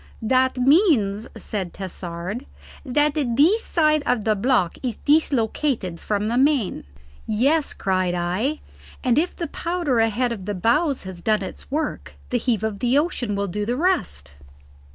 "That means," said Tassard, "that this side of the block is dislocated from the main." "Yes," cried I. "And if the powder ahead of the bows has done its work, the heave of the ocean will do the rest."